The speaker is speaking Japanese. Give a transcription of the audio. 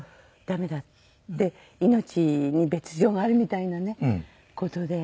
命に別条があるみたいな事で。